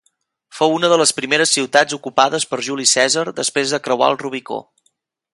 Fou una de les primeres ciutats ocupades per Juli Cèsar després de creuar el Rubicó.